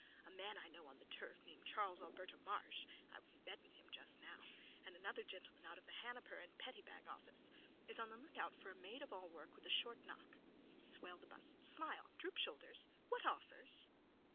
A man I know on the turf named Charles Alberta Marsh (I was in bed with him just now and another gentleman out of the Hanaper and Petty Bag office) is on the lookout for a maid of all work at a short knock. Swell the bust. Smile. Droop shoulders. What offers?